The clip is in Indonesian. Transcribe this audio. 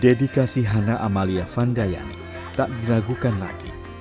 dedikasi hana amalia vandayani tak diragukan lagi